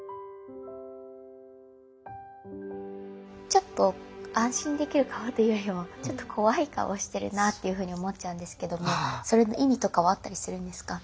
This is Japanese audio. ちょっと安心できる顔というよりもちょっと怖い顔してるなっていうふうに思っちゃうんですけどもそれの意味とかはあったりするんですか？